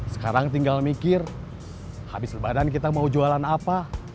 sekarang tinggal mikir habis lebaran kita mau jualan apa